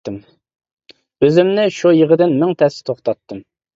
-ئۆزۈمنى شۇ يىغىدىن مىڭ تەستە توختاتتىم.